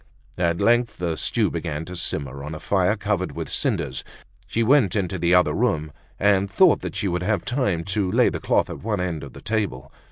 At length the stew began to simmer on a fire covered with cinders. She went into the other room, and thought she would have time to lay the cloth at one end of the table.